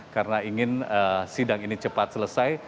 karena ingin sidang ini cepat selesai